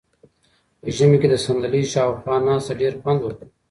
په ژمي کې د صندلۍ شاوخوا ناسته ډېر خوند ورکوي.